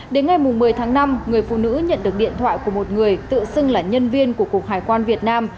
đến ngày một mươi tháng năm người phụ nữ nhận được điện thoại của một người tự xưng là nhân viên của cục hải quan việt nam